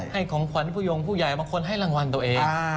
ของขวัญผู้ยงผู้ใหญ่บางคนให้รางวัลตัวเอง